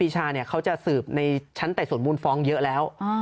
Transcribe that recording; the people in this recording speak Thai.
ชาเขาจะสืบในชั้นไต่สวนมูลฟ้องเยอะแล้ว